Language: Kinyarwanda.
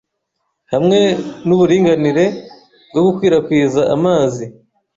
hamwe nuburinganire bwogukwirakwiza amazi